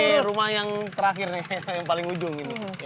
ini rumah yang terakhir nih yang paling ujung gitu